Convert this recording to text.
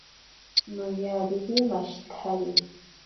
Noyariri mashitsari.